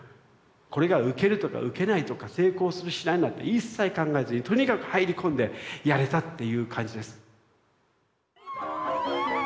これがウケるとかウケないとか成功するしないなんて一切考えずにとにかく入り込んでやれたっていう感じです。